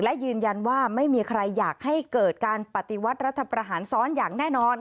และยืนยันว่าไม่มีใครอยากให้เกิดการปฏิวัติรัฐประหารซ้อนอย่างแน่นอน